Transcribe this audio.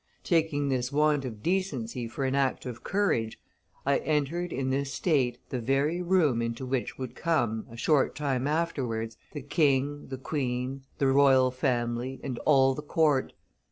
Taking this want of decency for an act of courage, I entered in this state the very room into which would come, a short time afterwards, the king, the queen, the royal family, and all the court.